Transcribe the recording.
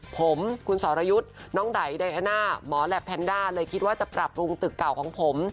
ผมคุณสรยุทธ์น้องไดอาน่าหมอและแพนด้าเลยคิดว่าจะปรับปรุงตึกเก่าของผม